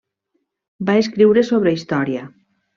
Va escriure sobre història.